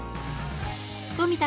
富田